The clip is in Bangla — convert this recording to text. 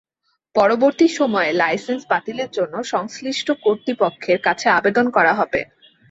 পরবর্তী সময়ে লাইসেন্স বাতিলের জন্য সংশ্লিষ্ট কর্তৃপক্ষের কাছে আবেদন করা হবে।